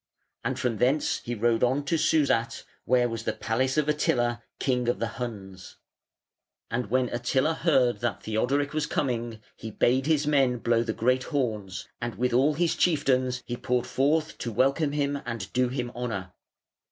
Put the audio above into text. And from thence he rode on to Susat, where was the palace of Attila, King of the Huns. And when Attila heard that Theodoric was coming, he bade his men blow the great horns, and with all his chieftains he poured forth to welcome him and do him honour.